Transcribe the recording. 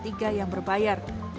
ketiga yang berbayar